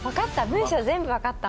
文章全部わかった。